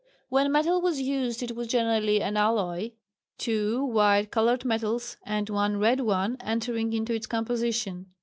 When metal was used it was generally an alloy two white coloured metals and one red one entering into its composition.